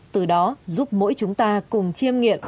từ đó giúp mỗi chúng ta cùng chiêm nghiệm